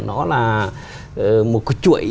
đó là một cái chuỗi